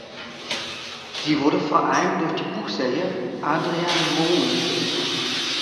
Sie wurde vor allem durch die Buchserie "Adrian Mole" bekannt.